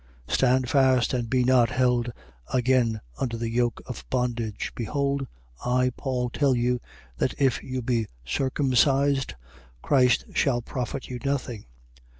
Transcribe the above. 5:1. Stand fast and be not held again under the yoke of bondage. 5:2. Behold, I Paul tell you, that if you be circumcised, Christ shall profit you nothing.